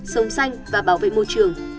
sống xanh và bảo vệ môi trường